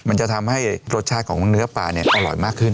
มันจะทำให้รสชาติของเนื้อปลาเนี่ยอร่อยมากขึ้น